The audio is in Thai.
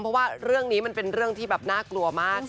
เพราะว่าเรื่องนี้มันเป็นเรื่องที่แบบน่ากลัวมาก